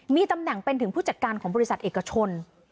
มีตำแหน่งเป็นถึงผู้จัดการของบริษัทเอกชน